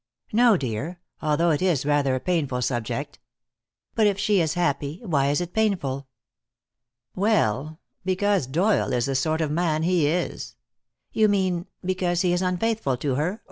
"No, dear. Although it is rather a painful subject." "But if she is happy, why is it painful?" "Well, because Doyle is the sort of man he is." "You mean because he is unfaithful to her?